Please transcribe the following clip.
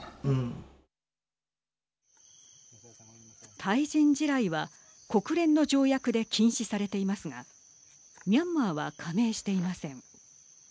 対人地雷は国連の条約で禁止されていますがミャンマーは加盟していません。